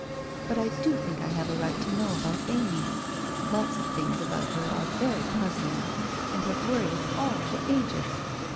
But I do think I have a right to know about Amy. Lots of things about her are very puzzling, and have worried us all for ages.